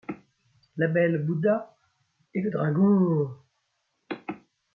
La belle bouda, et le dragon. ..